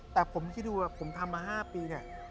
แต่ผมคิดดูว่าผมทำมา๕ปีเนี่ย